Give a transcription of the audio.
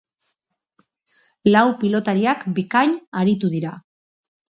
Lau pilotariak bikain aritu dira.